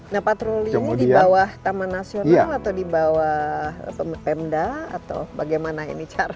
nah patroli ini di bawah taman nasional atau di bawah pemda atau bagaimana ini cara